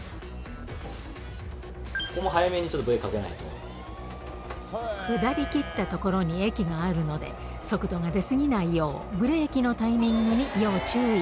ここも、下りきった所に駅があるので、速度が出過ぎないよう、ブレーキのタイミングに要注意。